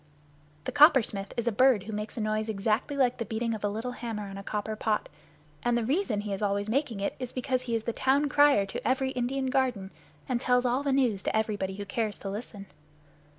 The Coppersmith is a bird who makes a noise exactly like the beating of a little hammer on a copper pot; and the reason he is always making it is because he is the town crier to every Indian garden, and tells all the news to everybody who cares to listen.